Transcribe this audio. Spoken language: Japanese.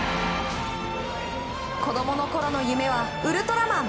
子供のころの夢はウルトラマン。